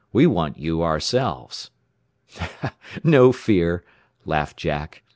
We want you ourselves." "No fear," laughed Jack.